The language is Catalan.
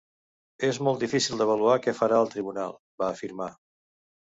És molt difícil d’avaluar què farà el Tribunal, va afirmar.